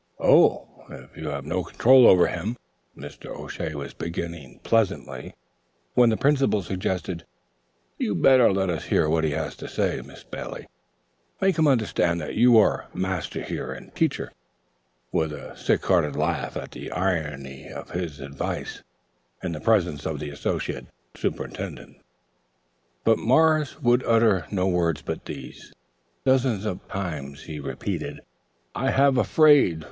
"Oh, if you have no control over him " Mr. O'Shea was beginning pleasantly, when the Principal suggested: "You'd better let us hear what he has to say, Miss Bailey; make him understand that you are master here." And Teacher, with a heart sick laugh at the irony of this advice in the presence of the Associate Superintendent, turned to obey. But Morris would utter no words but these, dozens of times repeated: "I have a fraid."